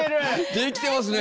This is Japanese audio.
できてますね！